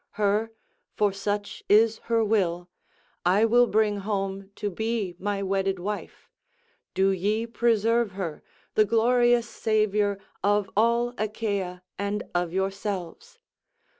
Her—for such is her will—I will bring home to be my wedded wife; do ye preserve her, the glorious saviour of all Achaea and of yourselves.